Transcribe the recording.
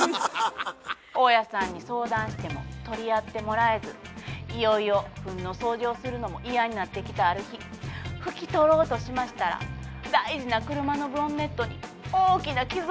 大家さんに相談しても取り合ってもらえずいよいよフンの掃除をするのも嫌になってきたある日拭き取ろうとしましたら大事な車のボンネットに大きな傷をつけてしまったんです。